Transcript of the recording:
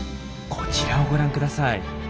こちらをご覧ください。